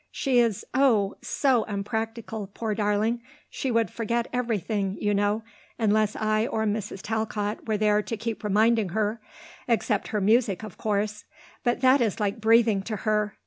She is oh! so unpractical, poor darling; she would forget everything, you know, unless I or Mrs. Talcott were there to keep reminding her except her music, of course; but that is like breathing to her.